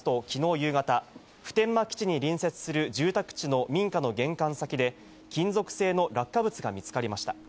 夕方、普天間基地に隣接する住宅地の民家の玄関先で、金属製の落下物が見つかりました。